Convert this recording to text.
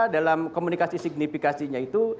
dalam komunikasi signifikasinya itu